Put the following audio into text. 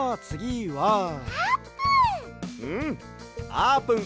あーぷん！